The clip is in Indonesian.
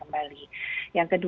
terima kasih pak menteri